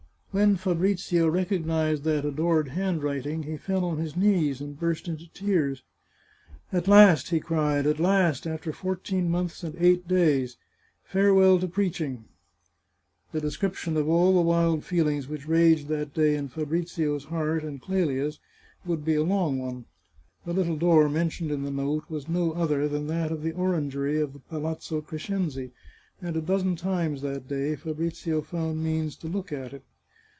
When Fabrizio recognised that adored handwriting he fell on his knees and burst into tears. " At last," he cried, " at last, after fourteen months and eight days ! Farewell to preaching !" The description of all the wild feelings which raged that day in Fabrizio's heart and Clelia's would be a long one. The little door mentioned in the note was no other than that of the orangery of the Palazzo Crescenzi, and a dozen times that day Fabrizio found means to look at it.